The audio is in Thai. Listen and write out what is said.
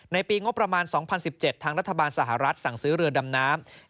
ปีงบประมาณ๒๐๑๗ทางรัฐบาลสหรัฐสั่งซื้อเรือดำน้ำ